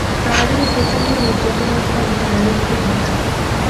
কারাগারে প্রচণ্ড নির্যাতনের ফলে তার মৃত্যু ঘটে।